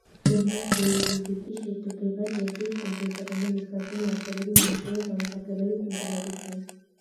ჯერზის ბეილივიკი შედგება ჯერზის კუნძულისგან და მის გარშემო არსებულ მომცრო დაუსახლებელი კუნძულებისგან.